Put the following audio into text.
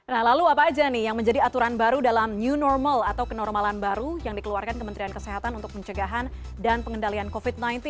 nah lalu apa aja nih yang menjadi aturan baru dalam new normal atau kenormalan baru yang dikeluarkan kementerian kesehatan untuk pencegahan dan pengendalian covid sembilan belas